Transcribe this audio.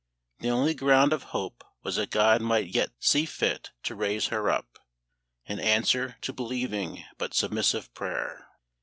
The only ground of hope was that GOD might yet see fit to raise her up, in answer to believing but submissive prayer.